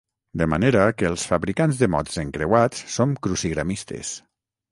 De manera que els fabricants de mots encreuats som "crucigramistes".